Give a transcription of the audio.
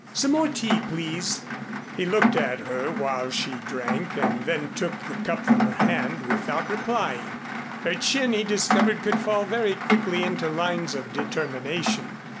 Some more tea, please!" He looked at her while she drank and then took the cup from her hand without replying. Her chin he discovered could fall very quickly into lines of determination.